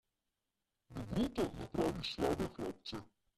Dobrota napravi slabe hlapce.